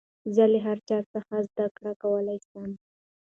زه له هر چا څخه زدکړه کولاى سم.